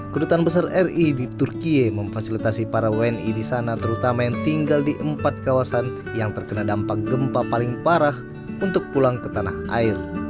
kedutaan besar ri di turkiye memfasilitasi para wni di sana terutama yang tinggal di empat kawasan yang terkena dampak gempa paling parah untuk pulang ke tanah air